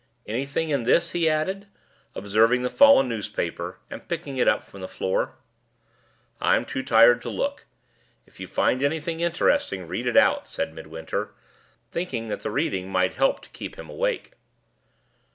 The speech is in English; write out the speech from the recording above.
"Anything in this?" he added, observing the fallen newspaper, and picking it up from the floor. "I'm too tired to look. If you find anything interesting, read it out," said Midwinter, thinking that the reading might help to keep him awake.